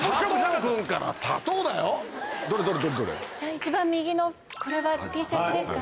一番右のＴシャツですか？